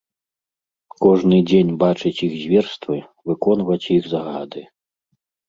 Кожны дзень бачыць іх зверствы, выконваць іх загады.